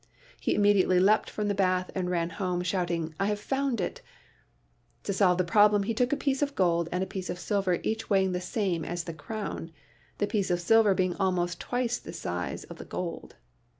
He immediately leapt from the bath and ran home, shouting, "I have found it !" To solve the problem, he took a piece of gold and a piece of silver, each weighing the same as the crown, the piece of silver being almost twice the size of the gold.